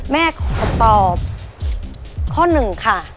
แม่ขอตอบข้อหนึ่งค่ะ